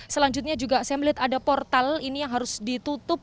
selanjutnya juga saya melihat ada portal ini yang harus ditutup